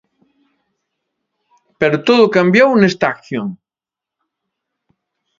Pero todo cambiou nesta acción.